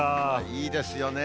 いいですよね。